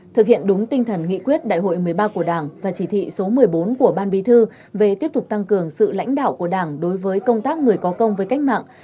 thực hiện đúng tinh thần nghị quyết đại hội một mươi ba của đảng và chỉ thị số một mươi bốn của ban bí thư về tiếp tục tăng cường sự lãnh đạo của đảng đối với công tác người có công với cách mạng